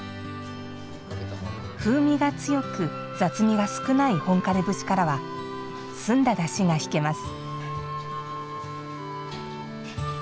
風味が強く雑味が少ない本枯節からは澄んだだしが引けます。